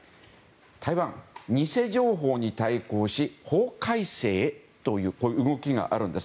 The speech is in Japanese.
台湾、偽情報に対抗し法改正へというこういう動きがあるんです。